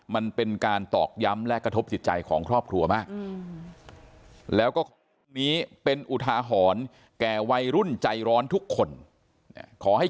มันเป็นการตอกย้ำและกระทบจิตใจของครอบครัวมากแล้วก็นี้เป็นอุทาหรณ์แก่วัยรุ่นใจร้อนทุกคนขอให้